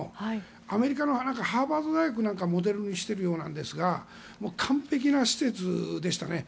アメリカのハーバード大学なんかをモデルにしているようなんですが完璧な施設でしたね。